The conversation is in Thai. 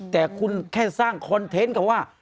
แต่คุณแค่สร้างคอนเทนต์เขาว่า